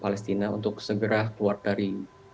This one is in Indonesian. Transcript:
palestina untuk segera keluar dari